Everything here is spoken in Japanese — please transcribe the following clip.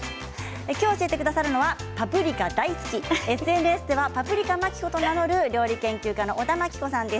今日教えてくださるのはパプリカ大好き、ＳＮＳではパプリカマキコと名乗る料理研究家の小田真規子さんです。